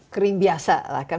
kering biasa lah kan